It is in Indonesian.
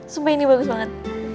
sumpah ini bagus banget